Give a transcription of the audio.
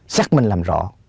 xác minh làm rõ